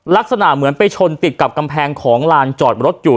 ลักษณะเหมือนไปชนติดกับกำแพงของลานจอดรถอยู่